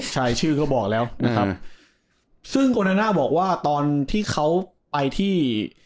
ชื่อเขาบอกแล้วนะครับซึ่งโกนาน่าบอกว่าตอนที่เขาไปที่